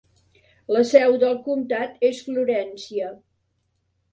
La seu del comtat és Florència.